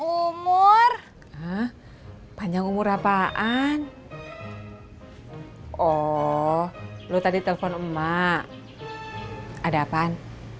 umur panjang umur apaan oh lu tadi telpon emak ada apaan